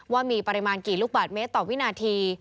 ว่ามีปริมาณกี่ลูกบาทเมตรต่อวินาที